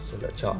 hai sự lựa chọn